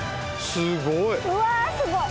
すごい。